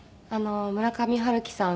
村上春樹さん